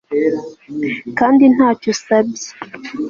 kandi ntacyo usabye